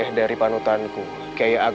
hai guru kukai jabat